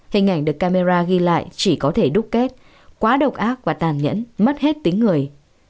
hình ảnh được camera ghi lại chỉ có thể đúc kết quá độc ác và tàn nhẫn mất hết tính người